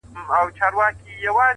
لاس زما مه نيسه چي اور وانـــخــلـې؛